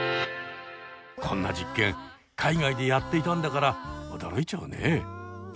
こんな実験海外でやっていたんだから驚いちゃうね。